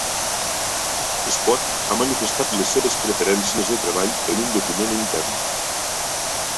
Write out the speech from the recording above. Espot ha manifestat les seves preferències de treball en un document intern